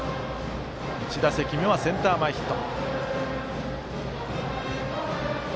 １打席目はセンター前ヒット。